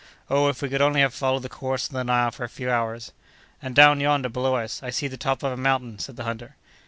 Oh, if we could only have followed the course of the Nile for a few hours!" "And down yonder, below us, I see the top of a mountain," said the hunter.